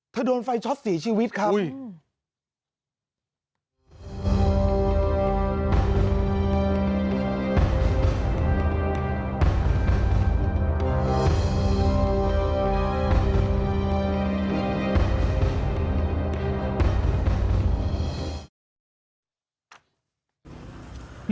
เธอโดนไฟช็อต๔ชีวิตครับ